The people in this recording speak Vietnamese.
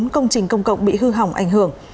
bốn công trình công cộng bị hư hỏng ảnh hưởng